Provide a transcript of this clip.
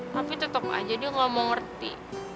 tapi tetep aja dia gak mau ngerti